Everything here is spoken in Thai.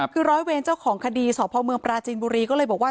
คือร้อยเวรเจ้าของคดีสพเมืองปราจีนบุรีก็เลยบอกว่า